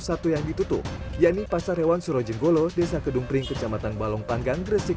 satu yang ditutup yakni pasar hewan surojenggolo desa kedung pring kecamatan balong panggang gresik